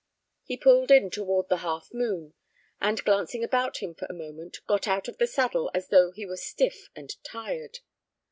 He pulled in toward "The Half Moon," and, glancing about him for a moment, got out of the saddle as though he were stiff and tired.